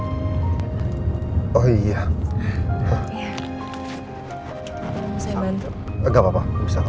kayanya screen jam bapak kebalik nih pak